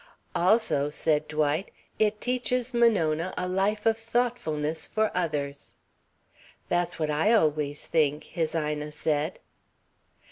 "Also," said Dwight, "it teaches Monona a life of thoughtfulness for others." "That's what I always think," his Ina said.